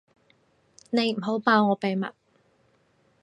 你唔好爆我秘密